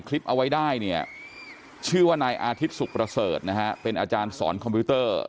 คุณประเสริฐนะฮะเป็นอาจารย์สอนคอมพิวเตอร์